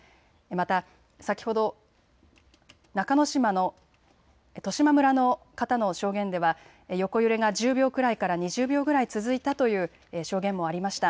また先ほど十島村の方の証言では横揺れが１０秒くらいから２０秒ぐらい続いたという証言もありました。